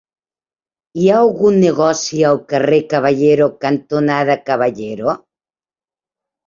Hi ha algun negoci al carrer Caballero cantonada Caballero?